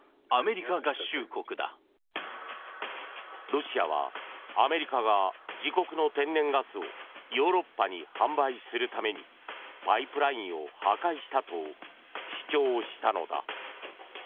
ロシアはアメリカが自国の天然ガスをヨーロッパに販売するためにパイプラインを破壊したと主張したのだ。